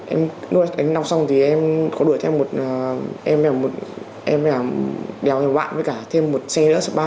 em đuổi đánh nọc xong thì em có đuổi thêm một em đèo thêm một bạn với cả thêm một xe nữa